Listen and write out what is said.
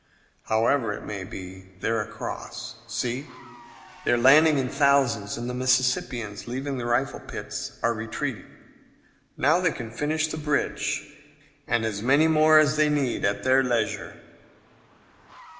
"However it may be, they're across. See, they're landing in thousands, and the Mississippians, leaving their rifle pits, are retreating. Now they can finish the bridge and as many more as they need at their leisure."